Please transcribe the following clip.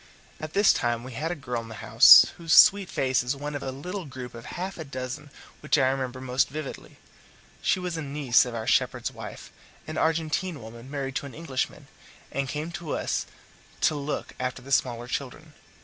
At this time we had a girl in the house, whose sweet face is one of a little group of half a dozen which I remember most vividly. She was a niece of our shepherd's wife, an Argentine woman married to an Englishman, and came to us to look after the smaller children.